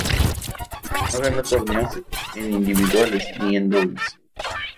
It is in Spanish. No ganó torneos en individuales ni en dobles.